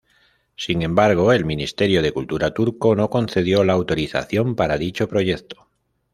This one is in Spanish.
Sin embargo, el Ministerio de Cultura turco no concedió la autorización para dicho proyecto.